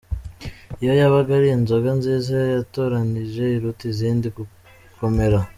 Iyo yabaga ari inzoga nziza yatoranije iruta izindi gukomera.